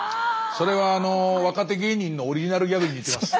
それは若手芸人のオリジナルギャグに似てます。